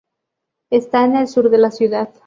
Está en el sur de la ciudad.